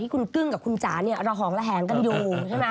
คุณกึ้งกับคุณจ๊าเราหองไหลแหงกันอยู่